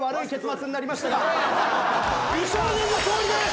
美少年の勝利です！